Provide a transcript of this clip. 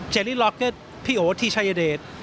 เจรีล็อคเกอร์พี่โอทที่ชายเดช